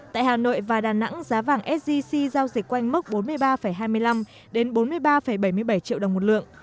tại hà nội và đà nẵng giá vàng sgc giao dịch quanh mốc bốn mươi ba hai mươi năm đến bốn mươi ba bảy mươi bảy triệu đồng một lượng